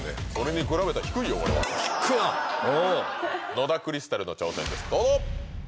野田クリスタルの挑戦ですどうぞ！